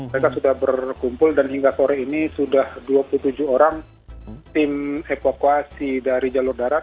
mereka sudah berkumpul dan hingga sore ini sudah dua puluh tujuh orang tim evakuasi dari jalur darat